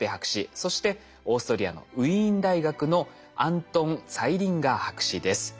そしてオーストリアのウィーン大学のアントン・ツァイリンガー博士です。